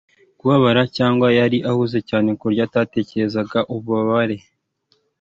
kubabara cyangwa yari ahuze cyane kuburyo atatekereza ububabare